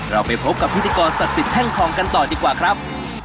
เราไปพบกับพิธีกรศักดิ์สิทธิแท่งทองกันต่อดีกว่าครับ